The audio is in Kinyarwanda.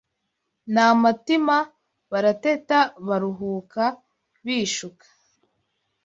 Na Matima barateta Baruhuka bishuka